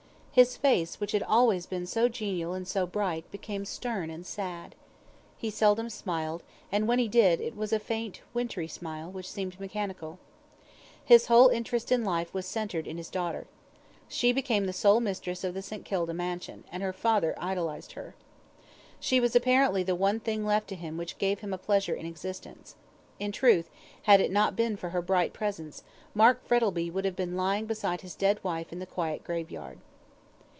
His face, which had always been so genial and so bright, became stern and sad. He seldom smiled, and when he did, it was a faint wintry smile, which seemed mechanical. His whole interest in life was centred in his daughter. She became the sole mistress of the St. Kilda mansion, and her father idolised her. She was apparently the one thing left to him which gave him a pleasure in existence. In truth, had it not been for her bright presence, Mark Frettlby would fain have been lying beside his dead wife in the quiet graveyard.